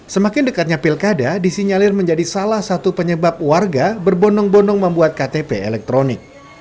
semakin dekatnya pilkada disinyalir menjadi salah satu penyebab warga berbondong bondong membuat ktp elektronik